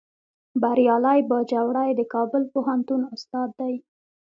بریالی باجوړی د کابل پوهنتون استاد دی